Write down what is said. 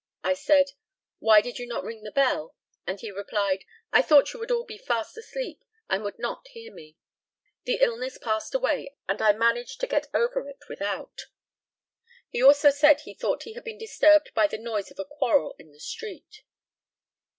I said, "Why did you not ring the bell?" and he replied, "I thought you would be all fast asleep, and would not hear me. The illness passed away, and I managed to get over it without." He also said that he thought he had been disturbed by the noise of a quarrel in the street.